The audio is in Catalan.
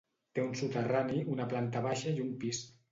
Té un soterrani, una planta baixa i un pis.